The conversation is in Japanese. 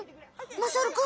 まさるくん